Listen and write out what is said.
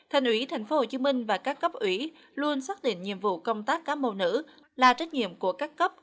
thành ủy tp hcm và các cấp ủy luôn xác định nhiệm vụ công tác cá màu nữ là trách nhiệm của các cấp